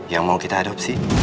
yang mau kita adopsi